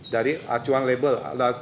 dari acuan label